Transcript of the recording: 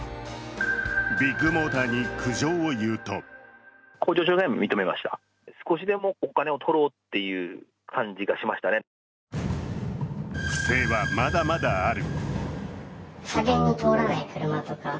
ビッグモーターに苦情を言うと不正はまだまだある。